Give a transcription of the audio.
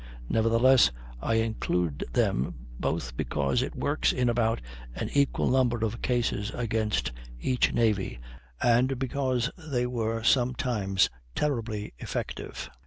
Nevertheless, I include them, both because it works in about an equal number of cases against each navy, and because they were sometimes terribly effective.